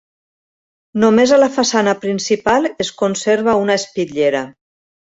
Només a la façana principal es conserva una espitllera.